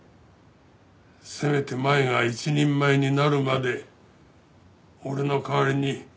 せめて舞が一人前になるまで俺の代わりに見守ってほしいと。